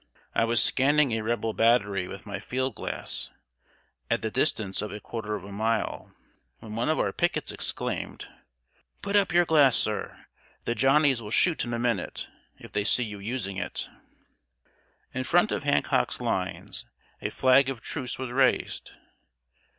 I was scanning a Rebel battery with my field glass, at the distance of a quarter of a mile, when one of our pickets exclaimed: "Put up your glass, sir! The Johnnies will shoot in a minute, if they see you using it." In front of Hancock's lines, a flag of truce was raised.